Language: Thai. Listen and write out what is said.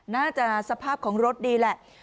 น่าจะสภาพของรถดีแหละ